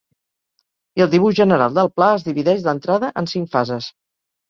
I el dibuix general del pla es divideix d’entrada en cinc fases.